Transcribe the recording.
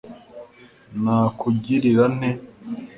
nakugirira nte